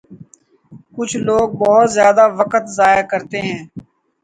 کچھ لوگ بہت زیادہ وقت ضائع کرتے ہیں